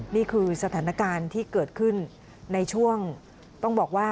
นี่คือสถานการณ์ที่เกิดขึ้นในช่วงต้องบอกว่า